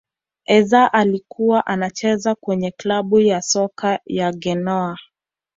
eazza alikuwa anacheza kwenye klabu ya soka ya genoa